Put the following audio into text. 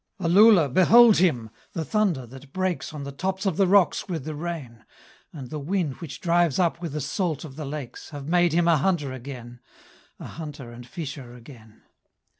Uloola, behold him! The thunder that breaks On the tops of the rocks with the rain, And the wind which drives up with the salt of the lakes, Have made him a hunter again A hunter and fisher again.